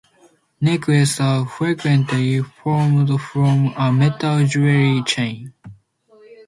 Necklaces are frequently formed from a metal jewellery chain.